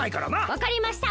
わかりました！